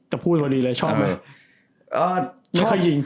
แต่พูดพอดีเลยชอบไหม